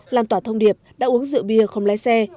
làm tỏa thông điệp đã uống rượu bia không lái xe